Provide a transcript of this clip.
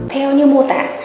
theo như mô tả